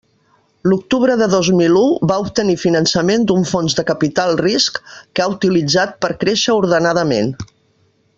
L'octubre de dos mil u va obtenir finançament d'un fons de capital risc, que ha utilitzat per créixer ordenadament.